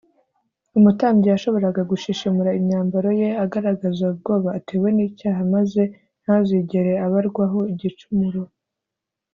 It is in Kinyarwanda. umutambyi yashoboraga gushishimura imyambaro ye agaragaza ubwoba atewe n’icyaha, maze ntazigere abarwaho igicumuro